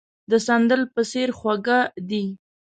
د سندل په څېر خواږه دي.